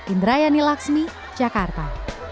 indrayani lakshmi jakarta